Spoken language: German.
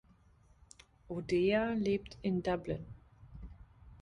O’Dea lebt in Dublin.